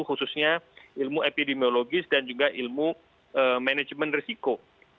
khususnya ilmu epidemiologis dan juga ilmu manajemen risiko